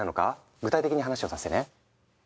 具体的に話をさせてね！